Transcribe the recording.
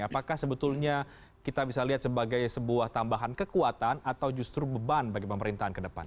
apakah sebetulnya kita bisa lihat sebagai sebuah tambahan kekuatan atau justru beban bagi pemerintahan ke depan